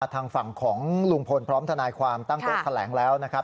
ทางฝั่งของลุงพลพร้อมทนายความตั้งโต๊ะแถลงแล้วนะครับ